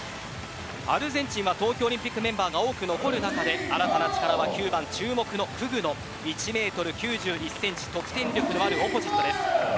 アルゼンチンは東京オリンピックメンバーが多く残る中で新たな力は９番注目のクグノ１メートル９１センチ得点力のあるオポジットです。